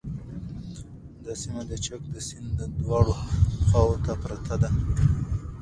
دا سیمه د چک د سیند دواړو خواوو ته پراته دي